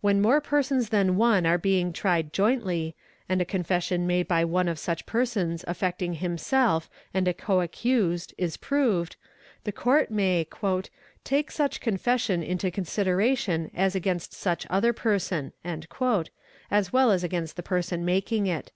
When more persons than one are being tried jointly, and a confession made by one of such persons affecting himself and a co accused is proved, the Court may 'take such confession into consideration as against such other person", as well as against the person making it.